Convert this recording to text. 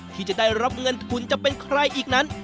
ที่จะได้รับเงินทุนจะเป็นใครอีกนั้น